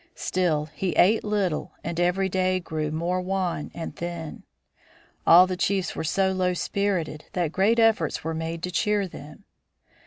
Still he ate little and every day grew more wan and thin. All the chiefs were so low spirited that great efforts were made to cheer them.